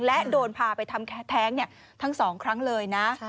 และโดนพาไปทำแท้งทั้ง๒ครั้งเลยนะ